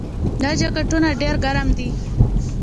دا جاکټونه ډیر ګرم دي.